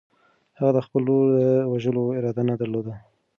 هغه د خپل ورور د وژلو اراده نه درلوده.